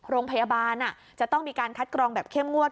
โรงพยาบาลจะต้องมีการคัดกรองแบบเข้มงวด